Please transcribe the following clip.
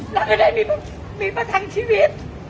เราจะได้มีมาทั้งชีวิต